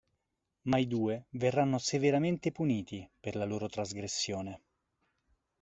Ma i due verranno severamente puniti per la loro trasgressione.